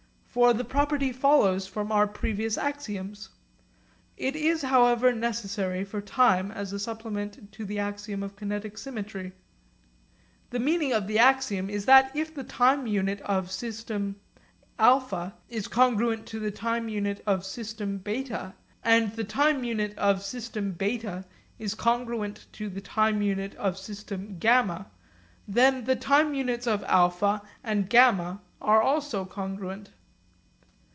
For the property follows from our previous axioms. It is however necessary for time as a supplement to the axiom of kinetic symmetry. The meaning of the axiom is that if the time unit of system α is congruent to the time unit of system β, and the time unit of system β is congruent to the time unit of system γ, then the time units of α and γ are also congruent.